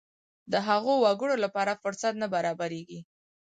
د هغو وګړو لپاره فرصت نه برابرېږي.